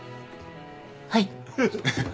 はい。